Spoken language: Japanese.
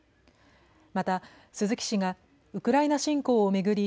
また鈴木氏がウクライナ侵攻を巡り